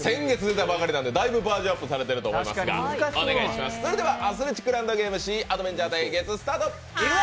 先月出たものなのでだいぶ、バージョンアップされてると思いますがそれでは「アスレチックランドゲームシーアドベンチャー」対決ステート。